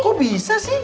kok bisa sih